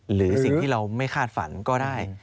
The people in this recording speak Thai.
หรือสิ่งที่เราไม่คาดฝันก็ได้